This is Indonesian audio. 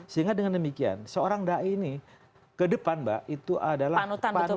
sehingga dengan demikian seorang da'i ini ke depan mbak itu adalah panutan yang sangat kunci